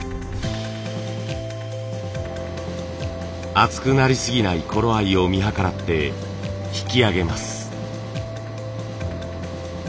厚くなりすぎない頃合いを見計らって引き上げます。